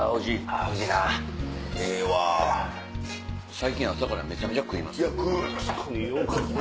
最近朝からめちゃめちゃ食いますね。